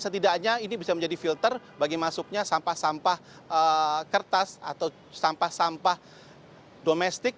setidaknya ini bisa menjadi filter bagi masuknya sampah sampah kertas atau sampah sampah domestik